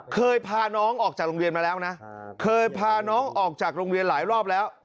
เคยพาน้องออกจากโรงเรียนมาแล้วนะเคยพาน้องออกจากโรงเรียนหลายรอบแล้ว